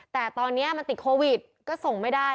แต่ตอนนี้มันติดโควิดก็ส่งไม่ได้